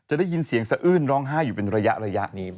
จะได้ยินเสียงสะอืิ่นร่องห้าอยู่เป็นระยะ